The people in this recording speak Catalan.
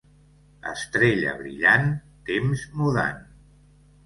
Estrella brillant, temps mudant.